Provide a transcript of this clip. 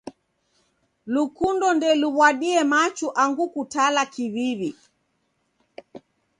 Lukundo ndeluw'adie machu angu kutala kiw'iw'i.